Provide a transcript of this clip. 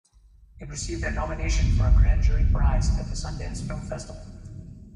It received a nomination for a Grand Jury Prize at the Sundance Film Festival.